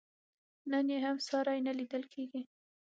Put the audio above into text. نن یې هم ساری نه لیدل کېږي.